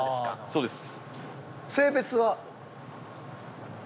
そうです。